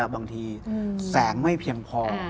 บางทีแสงไม่เพียงพอ